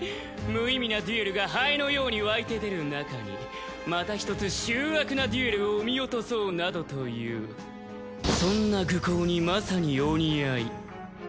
無意味なデュエルがハエのようにわいて出るなかにまた１つ醜悪なデュエルを生み落とそうなどというそんな愚行にまさにお似合い。